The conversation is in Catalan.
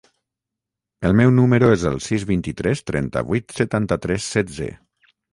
El meu número es el sis, vint-i-tres, trenta-vuit, setanta-tres, setze.